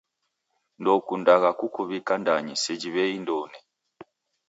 Ndoukundaa kukuw'ika ndanyi seji w'ei ndoune.